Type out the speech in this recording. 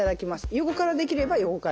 横からできれば横から。